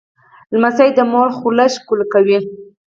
لمسی د مور خوله ښکوله کوي.